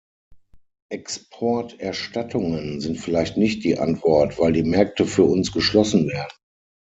Exporterstattungen sind vielleicht nicht die Antwort, weil die Märkte für uns geschlossen werden.